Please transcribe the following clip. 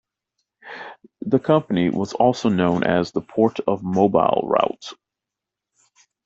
The company was also known as the Port of Mobile Route.